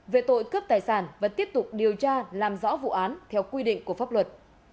về tội cướp tài sản và tiếp tục điều tra làm rõ vụ án theo quy định của pháp luật